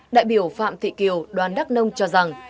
đại biểu phạm thị kiều đoàn đắc nông cho rằng